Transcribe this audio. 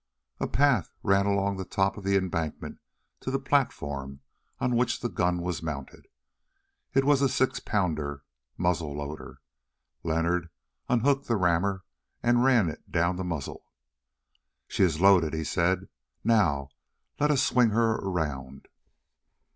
A path ran along the top of the embankment to the platform on which the gun was mounted. It was a six pounder muzzle loader. Leonard unhooked the rammer and ran it down the muzzle. "She is loaded," he said; "now let us swing her round."